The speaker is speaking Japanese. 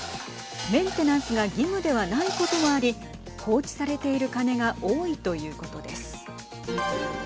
メンテナンスが義務ではないこともあり放置されている鐘が多いということです。